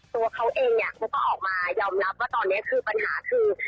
ตัวเขาเองเนี่ยเขาก็ออกมายอมรับว่าตอนนี้คือปัญหาคือ